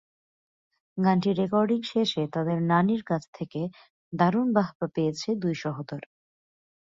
গানটি রেকর্ডিং শেষে তাদের নানির কাছ থেকে দারুণ বাহবা পেয়েছে দুই সহোদর।